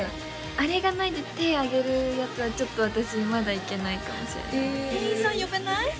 あれがなくて手をあげるやつはちょっと私まだ行けないかもしれない店員さん呼べない？